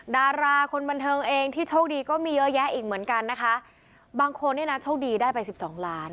ดาราคนบันเทิงเองที่โชคดีก็มีเยอะแยะอีกเหมือนกันนะคะบางคนเนี่ยนะโชคดีได้ไปสิบสองล้าน